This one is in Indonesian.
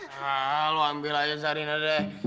nah lo ambil aja sarina deh